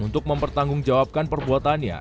untuk mempertanggungjawabkan perbuatannya